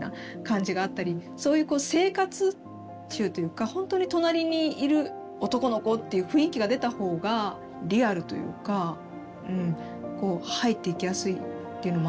そういうこう生活臭というかほんとに隣にいる男の子っていう雰囲気が出た方がリアルというかこう入っていきやすいっていうのもあったのかな。